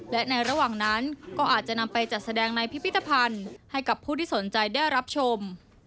และในระหว่างนั้นก็อาจจะนำไปจัดแสดงในพิพิธภัณฑ์ให้กับผู้ที่สนใจได้รับชม